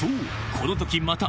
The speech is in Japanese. この時また